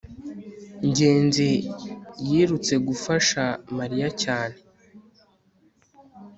ngenzi yirutse gufasha mariya cyane